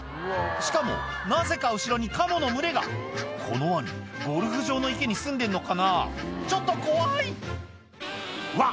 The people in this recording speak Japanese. しかもなぜか後ろにカモの群れがこのワニゴルフ場の池にすんでんのかなちょっと怖いうわ